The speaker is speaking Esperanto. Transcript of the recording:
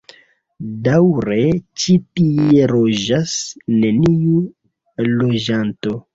Daŭre ĉi tie loĝas neniu loĝanto.